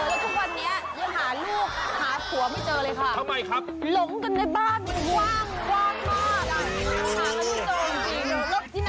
โอ้โฮนี่ขานครัฐคุณไม่ค่ะ